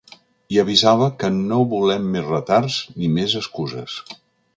I avisava que ‘no volem més retards ni més excuses’.